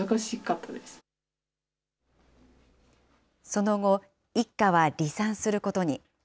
その後、一家は離散することに。